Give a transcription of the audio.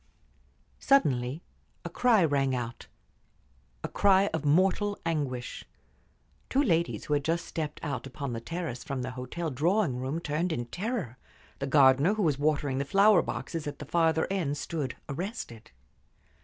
Suddenly a cry rang out a cry of mortal anguish. Two ladies who had just stepped out upon the terrace from the hotel drawing room turned in terror; the gardener who was watering the flower boxes at the farther end stood arrested.